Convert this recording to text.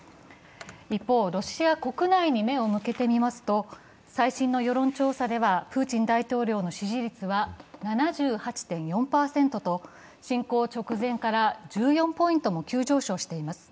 一方、ロシア国内に目を向けてみますと、最新の世論調査ではプーチン大統領の支持率は７８．４％と侵攻直前から１４ポイントも急上昇しています。